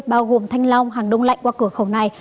bao gồm thanh long hàng đông lạnh qua cửa khẩu này